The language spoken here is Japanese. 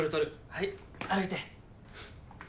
はい歩いて。